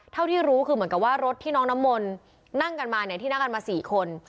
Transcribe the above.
เท่าที่รู้คือเหมือนกับว่ารถที่น้องน้ำมนต์นั่งกันมาเนี่ยที่นั่งกันมา๔คน